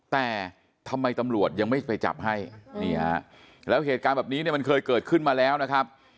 แต่ทำไมตำรวจยังไม่ไปจับให้นี่ฮะแล้วเหตุการณ์แบบนี้เนี่ยมันเคยเกิดขึ้นมาแล้วนะครับ